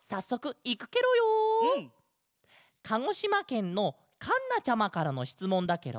かごしまけんのかんなちゃまからのしつもんだケロ。